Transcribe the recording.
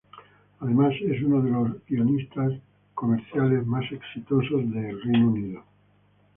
Además, es uno de los guionistas comerciales más exitosos de Inglaterra.